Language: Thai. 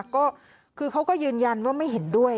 ก็คือเขาก็ยืนยันว่าไม่เห็นด้วย